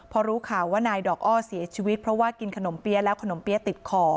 พอรู้ข่าวว่านายดอกอ้อเสียชีวิตเพราะว่ากินขนมเปี๊ยะแล้วขนมเปี๊ยะติดคอ